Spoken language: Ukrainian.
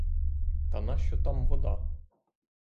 Та нащо там вода?